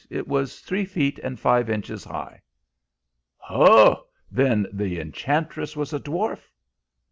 It was three feet and five inches high." "Ho! Then the enchantress was a dwarf!"